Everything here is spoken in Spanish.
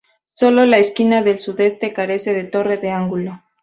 Sólo la esquina del sudeste carece de torre de ángulo.